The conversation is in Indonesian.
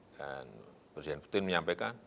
dan presiden putin menyampaikan